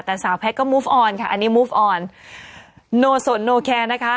แต่สาวแพทย์ก็มูฟออนค่ะอันนี้มุมอ่อนโนสนโนแคร์นะคะ